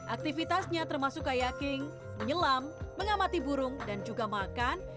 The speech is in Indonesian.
aktifitasnya termasuk kayaking menyelam mengamati burung dan juga makan